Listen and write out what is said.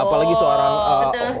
apalagi seorang perempuan